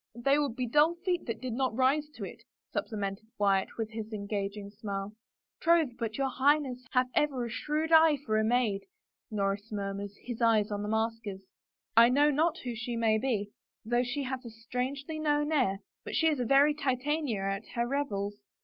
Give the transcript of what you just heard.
" They would be dull feet that did not rise to it," supplemented Wyatt with his engaging smile. " Troth, but your Highness hath ever a shrewd eye for a maid," Norris murmured, his eyes on the maskers. " I know not who she may be, though she hath a strangely known air, but she is a very Titania at her revels.